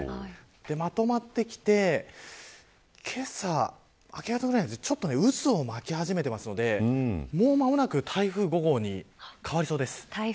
まとまってきてけさ、明け方ぐらい渦を巻き始めていますのでもう間もなく台風５号に変わりそうです。